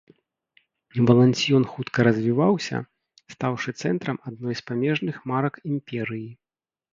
Валансьен хутка развіваўся, стаўшы цэнтрам адной з памежных марак імперыі.